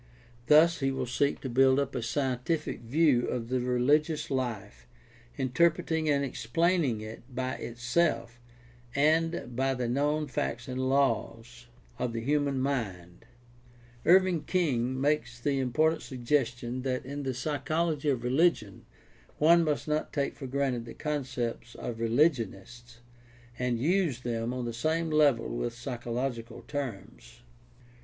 Thus he will seek to build up a scientific view of the religious life, interpreting and explaining it by itself and by the known facts and laws of the human mind ' Irving King makes the important suggestion that in the psychology of religion one must not take for granted the con cepts of rehgionists and use them on the same level with psychological terms.